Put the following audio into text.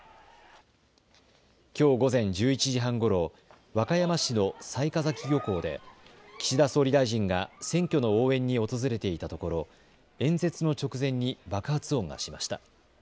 きょう午前１１時半ごろ和歌山市の雑賀崎漁港で岸田総理大臣が選挙の応援に訪れていたところ演説の直前に爆発音がしました。